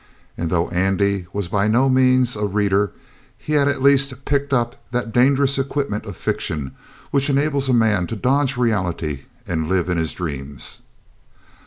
And though Andy was by no means a reader, he had at least picked up that dangerous equipment of fiction which enables a man to dodge reality and live in his dreams.